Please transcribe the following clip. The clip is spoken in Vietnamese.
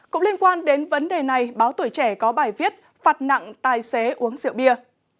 cũng liên quan đến vấn đề này báo tuổi trẻ có bài viết phạt nặng tài xế uống rượu bia